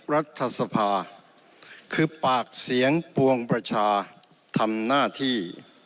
รัฐสภาคือปากเสียงปวงประชาทำหน้าที่